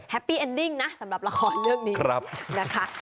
ปีเอ็นดิ้งนะสำหรับละครเรื่องนี้นะคะ